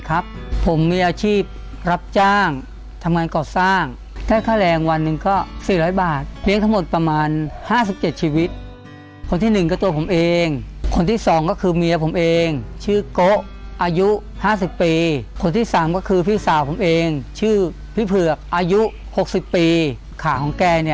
ขาของแก้เนี่ยโก่งสองข้าง